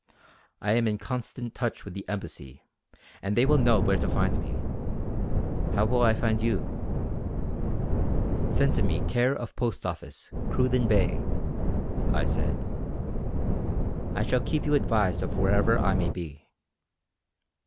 I am in constant touch with the Embassy and they will know where to find me. How will I find you?" "Send to me care of Post office, Cruden Bay," I said, "I shall keep you advised of wherever I may be."